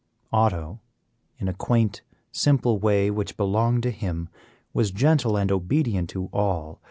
Otto, in a quaint, simple way which belonged to him, was gentle and obedient to all.